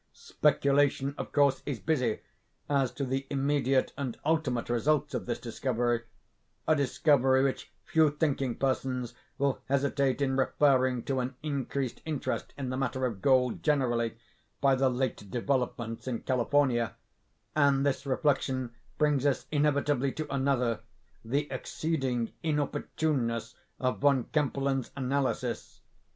Speculation, of course, is busy as to the immediate and ultimate results of this discovery—a discovery which few thinking persons will hesitate in referring to an increased interest in the matter of gold generally, by the late developments in California; and this reflection brings us inevitably to another—the exceeding inopportuneness of Von Kempelen's analysis.